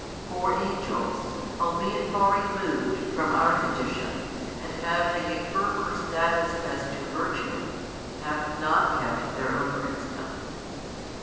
For angels, albeit far removed from our condition, and having a firmer status as to virtue, have not kept their own princedom.